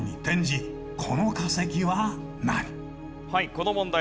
この問題